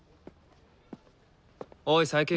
おい佐伯。